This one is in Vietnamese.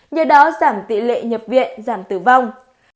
nhờ đó giảm tỷ lệ nhập viện giảm tử vong